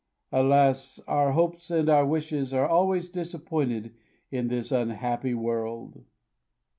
Alas! our hopes and our wishes are always disappointed in this unhappy world!"